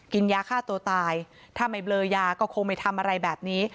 กินยาฆ่าตัวตายถ้าไม่เบลอยาก็คงไม่ทำอะไรแบบนี้